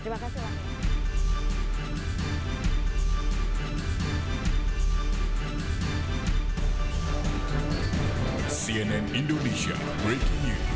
terima kasih banyak